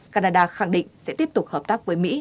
canada khẳng định sẽ tiếp tục hợp tác với mỹ